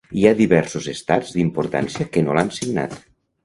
Hi ha diversos Estats d'importància que no l'han signat.